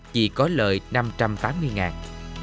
chỉ có lợi năm trăm tám mươi ngàn